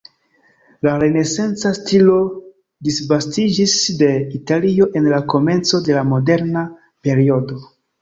La renesanca stilo disvastiĝis de Italio en la komenco de la moderna periodo.